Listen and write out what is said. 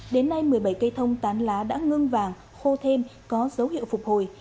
đến nay một mươi bảy cây thông tán lá đã ngưng vàng khô thêm có dấu hiệu phục hồi